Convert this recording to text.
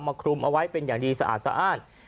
มาคลุมเอาไว้เป็นอย่างดีสะอาด